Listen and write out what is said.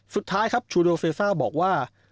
สุดท้ายครับชูโดเซซ่าบอกว่า